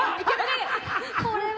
これは。